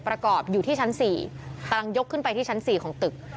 ประกอบอยู่ที่ชั้น๔กำลังยกขึ้นไปที่ชั้น๔ของตึก